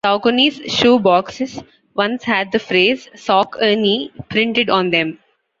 Saucony's shoe boxes once had the phrase "sock a knee" printed on them.